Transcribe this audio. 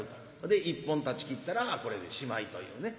で１本たちきったらこれでしまいというね。